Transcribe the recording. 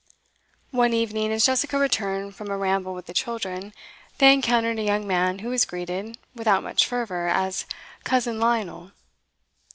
One evening, as Jessica returned from a ramble with the children, they encountered a young man who was greeted, without much fervour, as 'cousin Lionel.